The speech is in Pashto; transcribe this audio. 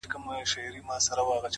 د سهار هوا د بدن حرکت اسانه کوي,